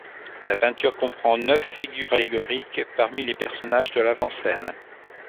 La peinture comprend neuf figures allégoriques parmi les personnages de l'avant-scène.